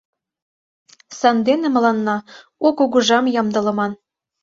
Сандене мыланна у Кугыжам ямдылыман.